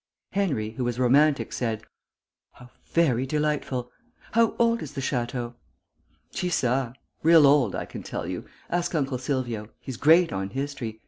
Henry, who was romantic, said, "How very delightful. How old is the Château?" "Chi sa? Real old, I can tell you. Ask Uncle Silvio. He's great on history.